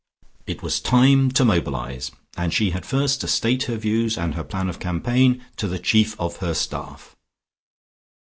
It was time to mobilise, and she had first to state her views and her plan of campaign to the chief of her staff.